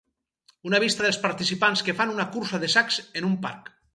Una vista dels participants que fan una cursa de sacs en un parc